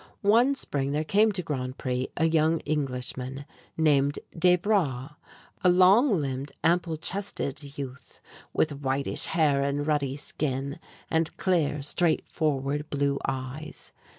One spring there came to Grand Pré a young Englishman named Desbra, a long limbed, ample chested youth, with whitish hair and ruddy skin, and clear, straightforward blue eyes.